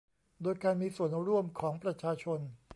โดยการมีส่วนร่วมของประชาชน